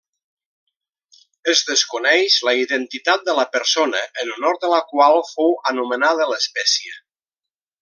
Es desconeix la identitat de la persona en honor de la qual fou anomenada l'espècie.